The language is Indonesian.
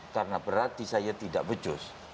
karena berarti saya tidak becus